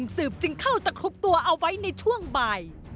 ซึ่งก็จะคลุบตัวเอาไว้ในช่วงบ่าย